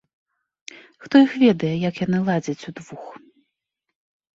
Хто іх ведае, як яны ладзяць удвух.